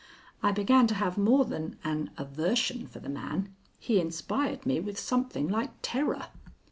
I began to have more than an aversion for the man. He inspired me with something like terror.